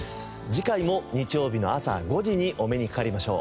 次回も日曜日のあさ５時にお目にかかりましょう。